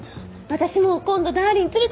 私も今度ダーリン連れてきます。